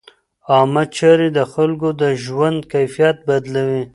عامه چارې د خلکو د ژوند کیفیت بدلوي.